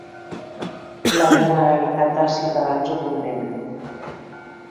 La generalitat dels ciutadans ho condemna.